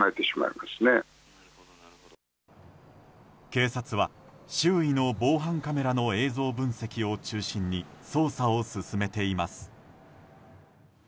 警察は周囲の防犯カメラの映像分析を中心に捜査を進めています。